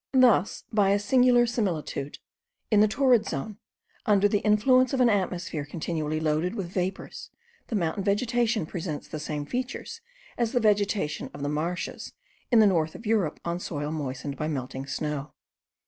Thus, by a singular similitude, in the torrid zone, under the influence of an atmosphere continually loaded with vapours the mountain vegetation presents the same features as the vegetation of the marshes in the north of Europe on soil moistened by melting snow.